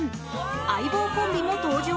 「相棒」コンビも登場！